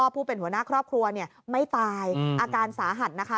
ผู้เป็นหัวหน้าครอบครัวไม่ตายอาการสาหัสนะคะ